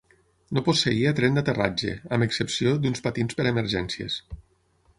No posseïa tren d'aterratge, amb excepció d'uns patins per a emergències.